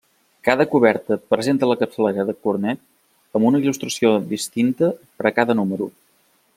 Cada coberta presenta la capçalera de Cornet amb una il·lustració distinta per a cada número.